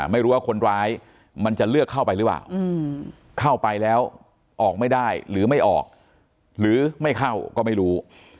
ไม่รู้ว่าคนร้ายมันจะเลือกเข้าไปหรือเปล่าเข้าไปแล้วออกไม่ได้หรือไม่ออกหรือไม่เข้าก็ไม่รู้